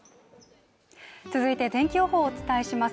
続いて天気予報をお伝えします